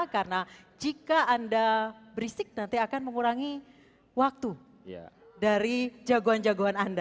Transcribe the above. karena jika anda berisik nanti akan mengurangi waktu dari jagoan jagoan anda